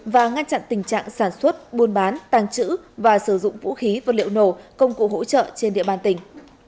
và ngăn chặn tình trạng sản xuất buôn bán tàng trữ và sử dụng vũ khí vật liệu nổ công cụ hỗ trợ trên địa bàn tỉnh